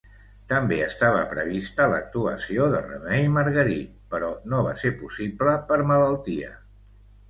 També estava prevista l'actuació de Remei Margarit però no va ser possible per malaltia.